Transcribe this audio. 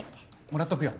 もらっとくよ。